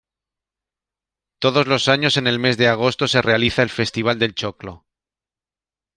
Todos los años en el mes de agosto se realiza el "Festival del Choclo".